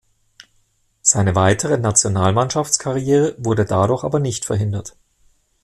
Seine weitere Nationalmannschaftskarriere wurde dadurch aber nicht verhindert.